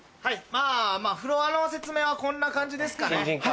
はいまぁフロアの説明はこんな感じですかね。